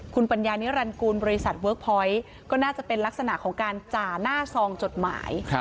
คุณปัญญานิรันกูลบริษัทเวิร์คพอยต์ก็น่าจะเป็นลักษณะของการจ่าหน้าซองจดหมาย